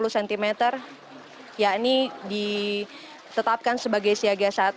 dua ratus dua puluh cm yakni ditetapkan sebagai siaga satu